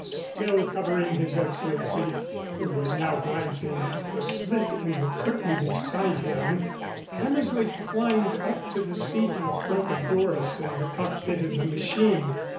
Still covering His Excellency, who was now glancing at the slit in the curtain beside him, Hammersley climbed up to the seat in front of Doris in the cockpit of the machine.